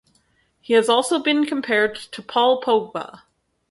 He has also been compared to Paul Pogba.